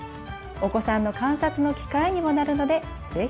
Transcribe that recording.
お子さんの観察の機会にもなるので是非挑戦して下さい。